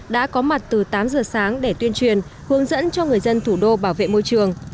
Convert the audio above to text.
đã có mặt từ tám giờ sáng để tuyên truyền hướng dẫn cho người dân thủ đô bảo vệ môi trường